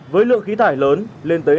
với lượng khí thải lớn lên tới